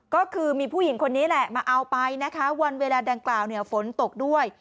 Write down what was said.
ก็คือมีผู้หญิงคนนี้แหละมาเอาไปนะคะวันเวลาดังกล่าวเนี่ยฝนตกด้วย